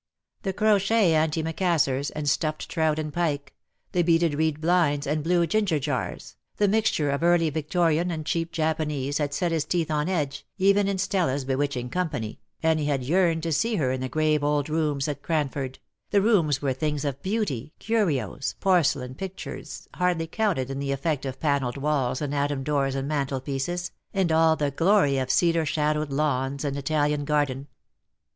The crochet antimacassars and stuffed trout and pike, the beaded reed blinds and blue ginger jars, the mixture of early Victorian and cheap Japanese had set his teeth on edge, even in Stella's bewitching company, and he had yearned to see her in the grave old rooms at Cranford, the rooms where things of beauty, curios, porcelain, pictures, hardly counted in the effect of panelled walls and Adam doors and mantelpieces, and all the glory of cedar shadowed la^vns and Italian garden.